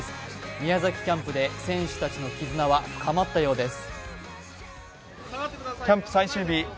宮崎キャンプで選手たちの絆は深まったようです。